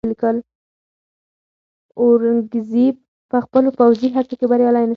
اورنګزېب په خپلو پوځي هڅو کې بریالی نه شو.